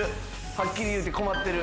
はっきり言うて困ってる。